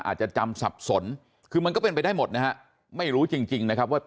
อาจจะจำสับสนคือมันก็เป็นไปได้หมดนะฮะไม่รู้จริงจริงนะครับว่า